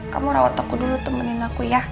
kamu rawat aku dulu temenin aku ya